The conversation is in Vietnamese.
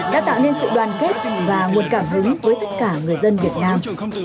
đã tạo nên sự đoàn kết và nguồn cảm hứng với tất cả người dân việt nam